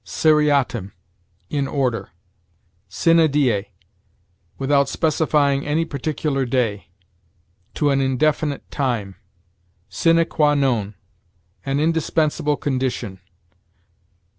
Seriatim: in order. Sine die: without specifying any particular day; to an indefinite time. Sine qua non: an indispensable condition.